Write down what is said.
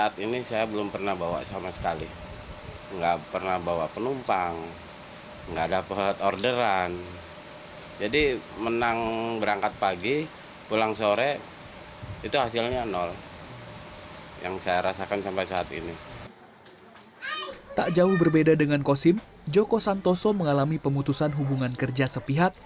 tak jauh berbeda dengan kosim joko santoso mengalami pemutusan hubungan kerja sepihak